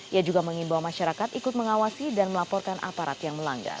ia juga mengimbau masyarakat ikut mengawasi dan melaporkan aparat yang melanggar